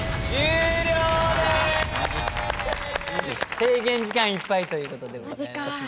制限時間いっぱいということでございますね。